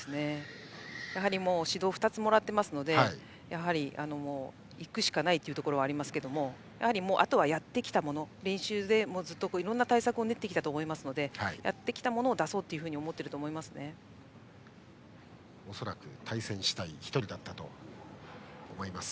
やはり指導を２つもらっていますのでもう行くしかないというところはありますがやはり、あとはやってきたもの練習でずっといろんな対策を練ってきたと思いますのでやってきたことを出そうと恐らく対戦したい１人だったと思います。